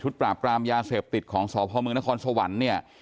ปราบกรามยาเสพติดของสพมนครสวรรค์เนี่ย